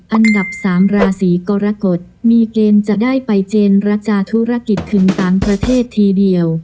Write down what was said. อันดับ๓ราศีกรกฎมีเกณฑ์จะได้ไปเจนระจาธุรกิจถึงต่างประเทศทีเดียว